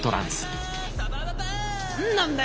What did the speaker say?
何なんだよ